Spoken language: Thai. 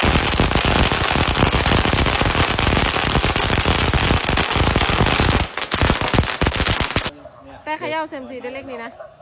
ตัดออก